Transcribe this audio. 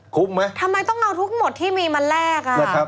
ไหมทำไมต้องเอาทุกหมดที่มีมาแลกอ่ะ